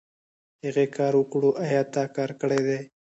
هغې کار وکړو ايا تا کار کړی دی ؟